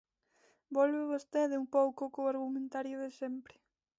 Volve vostede un pouco co argumentario de sempre.